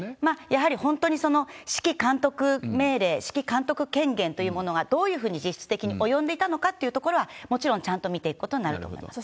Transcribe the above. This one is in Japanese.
やはり本当に指揮監督命令、指揮監督権限というものがどういうふうに実質的に及んでいたのかってところは、もちろんちゃんと見ていくことになると思います。